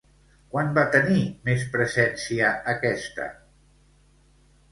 Quan va tenir més presència, aquesta?